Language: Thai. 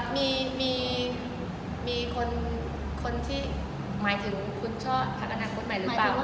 ในคลิปนี้คือหมายถึงคุณช่อภักรรณะคุณใหม่หรือเปล่าครับ